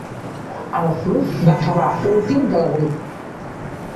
El club va acabar últim del grup.